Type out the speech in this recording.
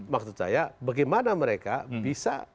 maksud saya bagaimana mereka bisa